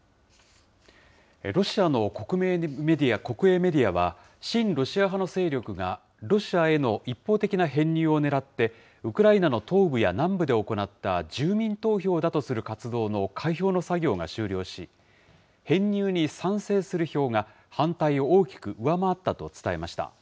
ロシアの国営メディアは、親ロシア派の勢力がロシアへの一方的な編入を狙って、ウクライナの東部や南部で行った住民投票だとする活動の開票の作業が終了し、編入に賛成する票が反対を大きく上回ったと伝えました。